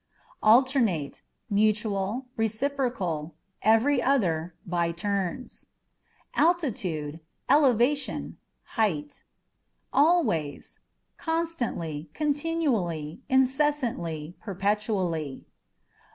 Alternate â€" mutual, reciprocal, every other, by turns. Altitudeâ€" elevation, height. Always â€" constantly, continually, incessantly, perpetually.